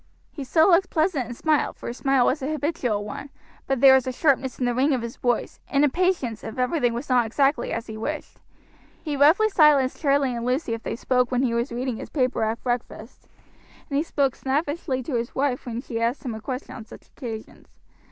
He still looked pleasant and smiled, for his smile was a habitual one; but there was a sharpness in the ring of his voice, an impatience if everything was not exactly as he wished. He roughly silenced Charlie and Lucy if they spoke when he was reading his paper at breakfast, and he spoke snappishly to his wife when she asked him a question on such occasions.